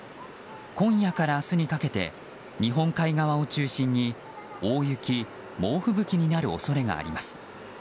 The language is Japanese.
今夜から明日にかけて日本海側を中心に大雪・猛吹雪になる恐れがあります。